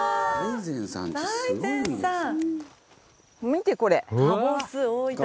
見て、これ。